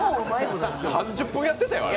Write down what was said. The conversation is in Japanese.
３０分やってたよ、あれ。